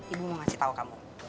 ibu mau ngasih tahu kamu